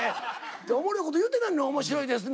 おもろいこと言うてないのに「面白いですね」